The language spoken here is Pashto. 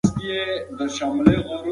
ولې ژبه هویت جوړوي؟